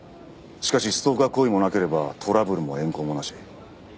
しかしストーカー行為もなければトラブルも怨恨もなし。